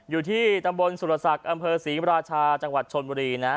อยู่ที่ตำบลสุรศักดิ์อำเภอศรีราชาจังหวัดชนบุรีนะ